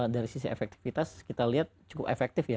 dari sisi efektivitas kita lihat cukup efektif ya